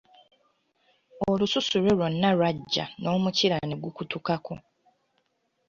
Olususu Iwe lwona lwagya n'omukira ne gukutukako.